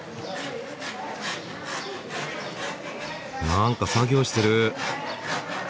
何か作業してる。